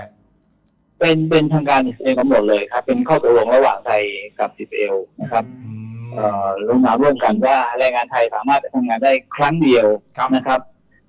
เป็นทางการอีเพลกความหล่มหมดเลยครับ